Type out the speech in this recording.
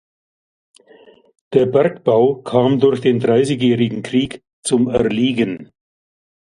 Der Bergbau kam durch den Dreißigjährigen Krieg zum Erliegen.